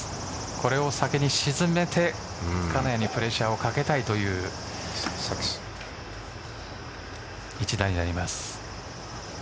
これは先に沈めて金谷にプレッシャーを掛けたいという一打になります。